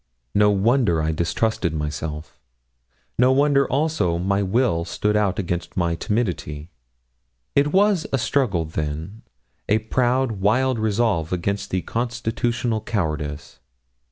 No wonder I distrusted myself; no wonder also my will stood out against my timidity. It was a struggle, then; a proud, wild resolve against constitutional cowardice.